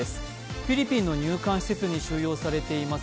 フィリピンの入管施設に収容されています